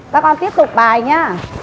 và con tiếp tục bài nhá